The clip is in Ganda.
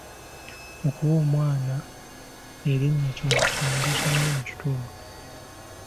Okuwa omwana erinnya kintu kya mugaso nnyo mu kitundu.